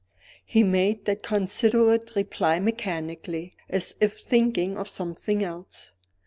He made that considerate reply mechanically, as if thinking of something else.